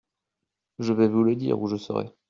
Je vais vous le dire où je serai.